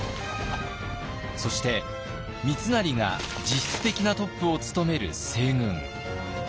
そして三成が実質的なトップを務める西軍。